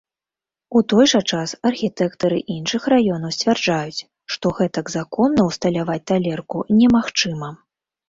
У той жа час архітэктары іншых раёнаў сцвярджаюць, што гэтак законна ўсталяваць талерку немагчыма.